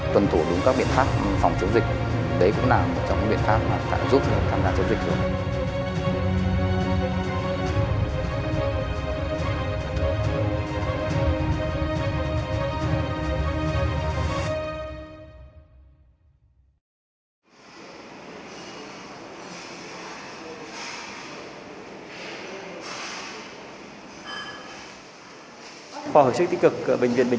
tuân thủ đúng các biện pháp phòng chống dịch đấy cũng là một trong những biện pháp giúp tham gia chống dịch